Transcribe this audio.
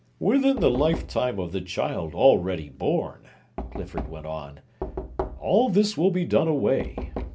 "Within the lifetime of the child already born," Clifford went on, "all this will be done away.